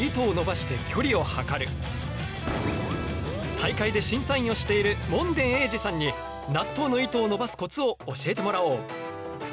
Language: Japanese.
大会で審査員をしている門傳英慈さんに納豆の糸を伸ばすコツを教えてもらおう！